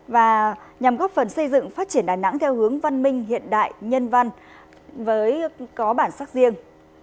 và nhằm góp phần xây dựng phát triển đà nẵng theo hướng văn minh hiện đại nhân văn có bản sắc riêng